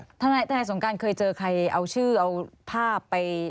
ทนายสงการเคยเจอใครเอาชื่อเอาภาพไป